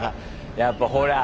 やっぱほら。